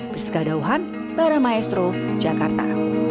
bersekadauan para maestro jakarta